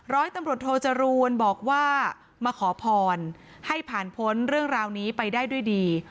ร้อยตำรวจโทจรูนบอกว่ามาขอพรให้ผ่านพ้นเรื่องราวนี้ไปได้ด้วยดี